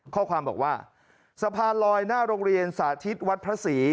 ข้อความบอกว่าสะพานลอยหน้าโรงเรียนสาธิตวัดพระศรี